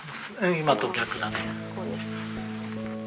今と逆だね。